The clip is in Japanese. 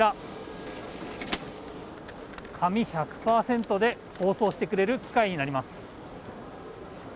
紙１００％で包装してくれる機械になります。